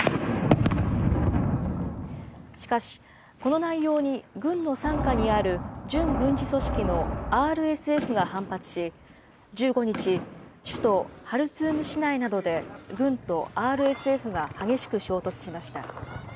しかし、この内容に軍の傘下にある準軍事組織のＲＳＦが反発し、１５日、首都ハルツーム市内などで、軍とＲＳＦが激しく衝突しました。